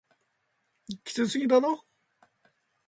きつすぎだろ